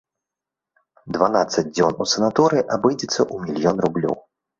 Дванаццаць дзён у санаторыі абыдзецца ў мільён рублёў.